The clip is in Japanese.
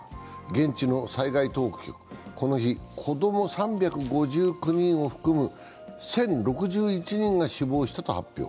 現地の災害当局、この日、子供３５９人を含む１０６１人が死亡したと発表。